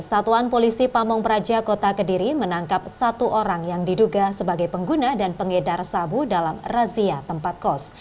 satuan polisi pamung praja kota kediri menangkap satu orang yang diduga sebagai pengguna dan pengedar sabu dalam razia tempat kos